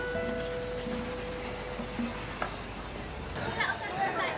こちらお座りください。